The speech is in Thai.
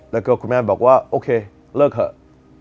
แล้วก็คุณแม่บอกว่าโอเคเลิกเถอะ